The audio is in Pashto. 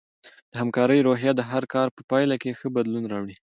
د همکارۍ روحیه د هر کار په پایله کې ښه بدلون راوړي.